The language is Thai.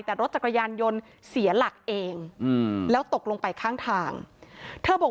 แต่รถจักรยานยนต์เสียหลักเองอืมแล้วตกลงไปข้างทางเธอบอก